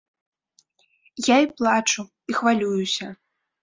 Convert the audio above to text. Я і плачу, і хвалююся.